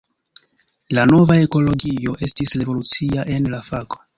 La nova ekologio estis revolucio en la fako.